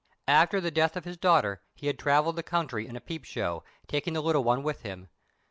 After the death of his daughter he had travelled the country with a peep show, taking the little one with him.